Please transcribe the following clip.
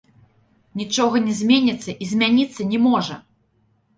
Нічога не зменіцца і змяніцца не можа!